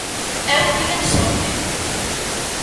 Eu tiven sorte.